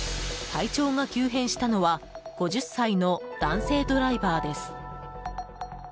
体調が急変したのは５０歳の男性ドライバーです。